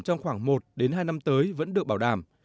trong khoảng một đến hai năm tới vẫn được bảo đảm